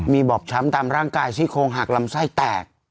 มีบอบช้ำตามร่างกายซี่โครงหักลำไส้แตก